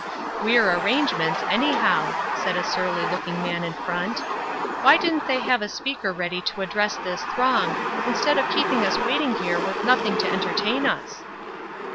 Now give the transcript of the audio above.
"Queer arrangements, anyhow," said a surly looking man in front. "Why didn't they have a speaker ready to address this throng, instead of keeping us waiting here with nothing to entertain us?"